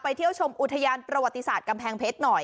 เที่ยวชมอุทยานประวัติศาสตร์กำแพงเพชรหน่อย